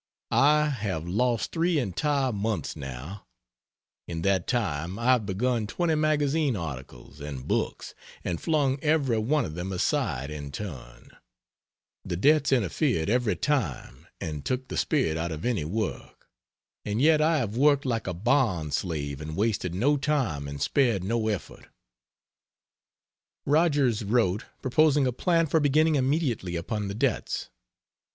I have lost three entire months now. In that time I have begun twenty magazine articles and books and flung every one of them aside in turn. The debts interfered every time, and took the spirit out of any work. And yet I have worked like a bond slave and wasted no time and spared no effort Rogers wrote, proposing a plan for beginning immediately upon the debts.